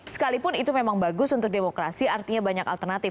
sekalipun itu memang bagus untuk demokrasi artinya banyak alternatif